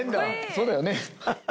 そうだよね。